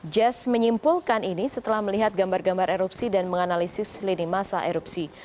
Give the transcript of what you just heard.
jas menyimpulkan ini setelah melihat gambar gambar erupsi dan menganalisis lini masa erupsi